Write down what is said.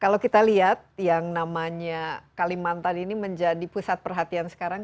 kalau kita lihat yang namanya kalimantan ini menjadi pusat perhatian sekarang